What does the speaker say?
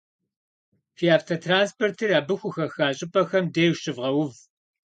Фи автотранспортыр абы хухэха щӀыпӀэхэм деж щывгъэув.